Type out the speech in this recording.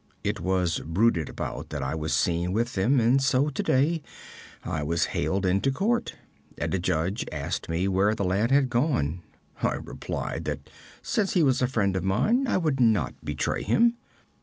It was bruited about that I was seen with them, and so today I was haled into court, and a judge asked me where the lad had gone. I replied that since he was a friend of mine, I could not betray him.